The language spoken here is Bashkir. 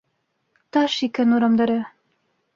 Таш икән урамдары